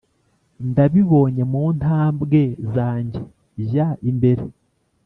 nabibonye mu ntabwe zanjye jya imbere